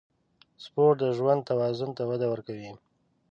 سپورت د ژوند توازن ته وده ورکوي.